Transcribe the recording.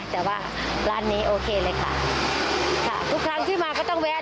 แต่ว่าร้านนี้โอเคเลยค่ะค่ะทุกครั้งที่มาก็ต้องแวะ